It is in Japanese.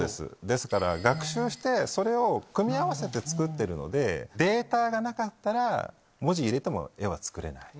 ですから学習してそれを組み合わせて作ってるのでデータがなかったら文字入れても絵は作れない。